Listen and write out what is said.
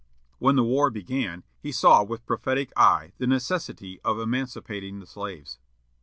When the war began, he saw with prophetic eye the necessity of emancipating the slaves.